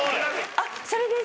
あっそれです。